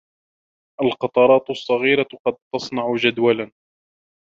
القطرات الصغيرة قد تصنع جدولاً.